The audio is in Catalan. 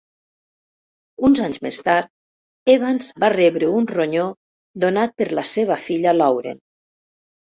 Uns anys més tard, Evans va rebre un ronyó donat per la seva filla Lauren.